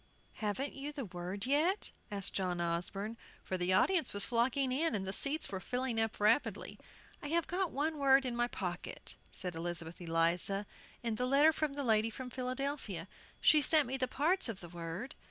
"Haven't you the word yet?" asked John Osborne, for the audience was flocking in, and the seats were filling up rapidly. "I have got one word in my pocket," said Elizabeth Eliza, "in the letter from the lady from Philadelphia. She sent me the parts of the word.